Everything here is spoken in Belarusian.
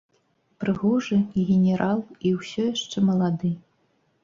Прыгожы, генерал і ўсё шчэ малады.